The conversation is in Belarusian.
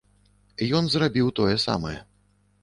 Ён зрабіў тое самае.